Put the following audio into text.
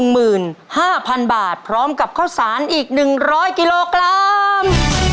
หมื่นห้าพันบาทพร้อมกับข้าวสารอีก๑๐๐กิโลกรัม